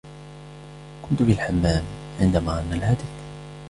كنت في الحمام عندما رن الهاتف